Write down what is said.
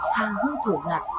hàng hư thổ ngặt